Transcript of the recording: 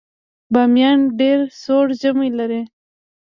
بامیان ډیر سوړ ژمی لري